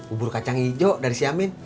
ubur kacang hijau dari si amin